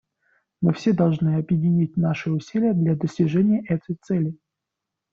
Мы все должны объединить наши усилия для достижения этой цели.